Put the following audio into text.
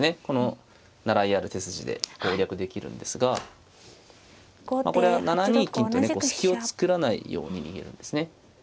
この習いある手筋で攻略できるんですがこれは７二金とね隙を作らないように逃げるんですね。